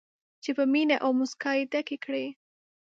چې په مینه او موسکا یې ډکې کړي.